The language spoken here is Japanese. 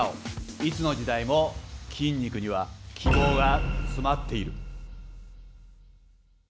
いつの時代も筋肉には希望がつまっている。